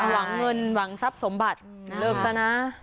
หวังเงินหวังทรัพย์สมบัติเลิกซะนะ